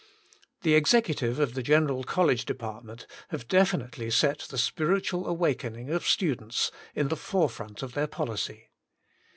The Executive of the Gen eral College Department have definitely set the Spiritual Awakening of Students in the fore front of their policy.